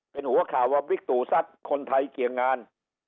เป็นหัวข่าวว่าวิตุศัตริย์คนไทยเกี่ยงงาน